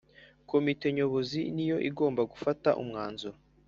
Komite nyobozi niyo igomba gufata umwanzuro